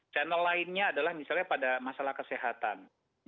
channel lainnya adalah misalnya pada masalah kesehatan